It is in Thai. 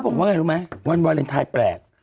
บอกว่าไงรู้ไหมวันวาเลนไทยแปลก